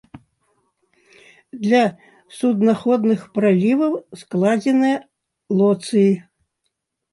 Для суднаходных праліваў складзеныя лоцыі.